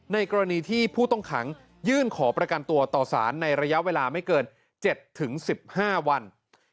ในกรณีที่ผู้ต้องขังยื่นขอประกันตัวต่อสารในระยะเวลาไม่เกิน๗๑๕วัน